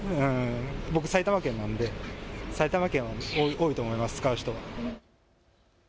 僕、埼玉県なんで埼玉県は多いと思います、使う人。